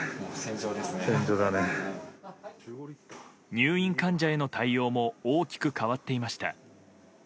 入院患者への対応も大きく変わっていました。